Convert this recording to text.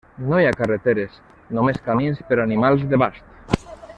No hi ha carreteres, només camins per a animals de bast.